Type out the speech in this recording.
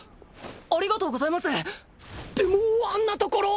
ありがとうございますってもうあんなところ！